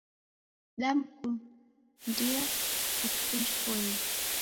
Damkundia ituku jipoyie